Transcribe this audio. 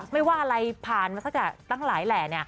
ไม่ว่าอะไรผ่านมาสักตั้งหลายแหล่